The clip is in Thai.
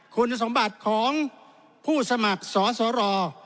คุณสมบัติของผู้สมัครสอสร